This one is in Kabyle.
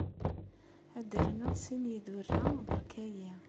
Ad d-rnuɣ sin n yidurra, berka-yi.